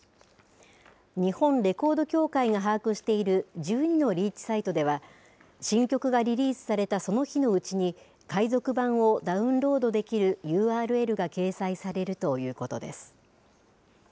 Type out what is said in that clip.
日本レコード協会が把握している１２のリーチサイトでは新曲がリリースされたその日のうちに海賊版をダウンロードできるＵＲＬが掲載されるということです。